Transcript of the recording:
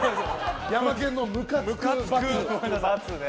ヤマケンのむかつく。